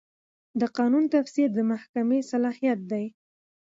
د قانون تفسیر د محکمې صلاحیت دی.